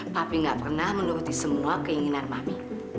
papi gak pernah menuruti semua keinginan mami